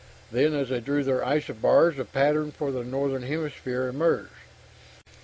Then, as they drew their isobars, the pattern for the northern hemisphere emerged.